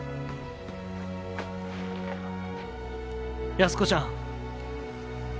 安子ちゃん。